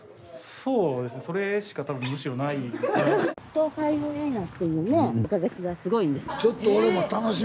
そうですねそれしか多分むしろない。